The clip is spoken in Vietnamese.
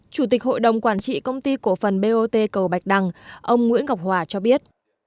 chủ tịch hội đồng quản trị công ty cổ phần bot cầu bạch đằng ông nguyễn ngọc hòa cho biết